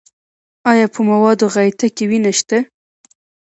ایا په موادو غایطه کې وینه شته؟